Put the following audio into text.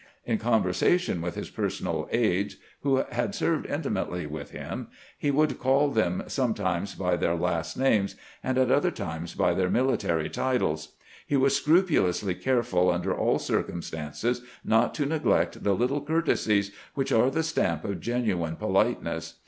In conversation with his personal aides, who had served intimately with him, he would caU them sometimes by their last names, and at other times by their military titles. He was scrupu lously careful under all circumstances not to neglect the little courtesies which are the stamp of genuine polite ness.